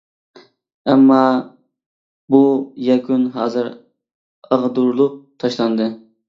ئەممە بۇ يەكۈن ھازىر ئاغدۇرۇلۇپ تاشلاندى.